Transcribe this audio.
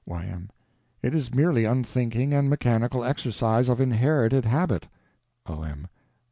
Y.M. It is merely unthinking and mechanical exercise of inherited habit. O.M.